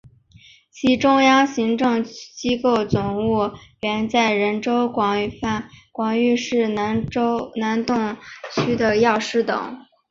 其中央行政机构总务院在仁川广域市南洞区的药师寺。